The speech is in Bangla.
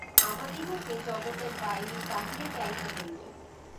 আমাদিগকে জগতের বাহিরে যাইতে হইবে।